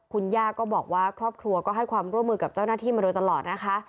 คุณย่าก็บอกว่าครอบครัวก็ให้ความร่วมมือกับเจ้าหน้าที่มาโดยตลอดนะคะ